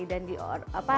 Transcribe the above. dan di apa